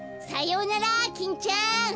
さようならキンちゃん。